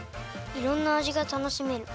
いろんなあじがたのしめる。